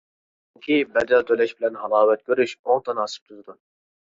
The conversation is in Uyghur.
چۈنكى بەدەل تۆلەش بىلەن ھالاۋەت كۆرۈش ئوڭ تاناسىپ تۈزىدۇ.